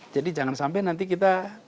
jadi jangan sampai nanti kita